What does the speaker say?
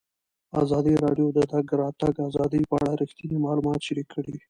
ازادي راډیو د د تګ راتګ ازادي په اړه رښتیني معلومات شریک کړي.